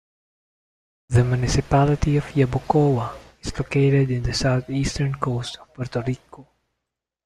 The Municipality of Yabucoa is located in the south-eastern coast of Puerto Rico.